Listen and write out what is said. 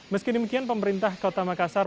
meskidimekian pemerintah kota makassar